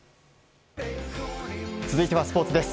続いてはスポーツです。